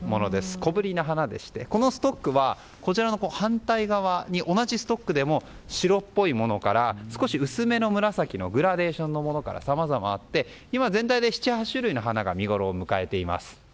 小ぶりな花でしてこのストックは反対側の同じストックでも白っぽいものから少し薄めの紫のグラデーションのものからさまざまあって今、全体で７８種類の花が見ごろを迎えています。